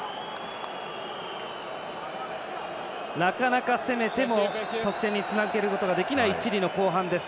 なかなか攻めても得点につなげることができないチリの後半です。